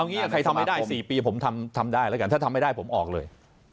ใครทำไม่ได้๔ปีผมทำได้แล้วกันถ้าทำไม่ได้ผมออกเลย